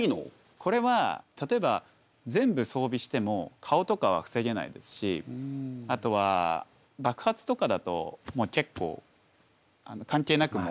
これは例えば全部装備しても顔とかは防げないですしあとは爆発とかだともう結構関係なくもう。